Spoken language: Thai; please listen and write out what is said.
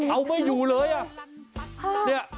เอาไม่อยู่เลยอ่ะ